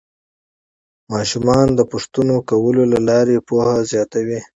ماشومان د پوښتنو کولو له لارې پوهه زیاتوي